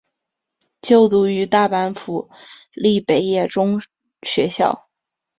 就读于大阪府立北野中学校。